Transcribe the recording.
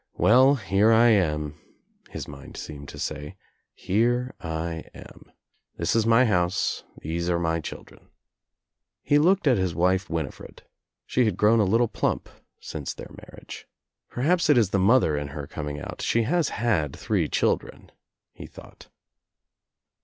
"Well, here I am," his mind seemed to say, "here I am. This is my house, these are my children." He looked at his wife Winifred. She had grown a little plump since their marriage. "Perhaps it is the mother In her coming out, she has had three chil dren," he thought.